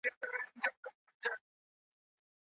شرعیاتو پوهنځۍ په بیړه نه بشپړیږي.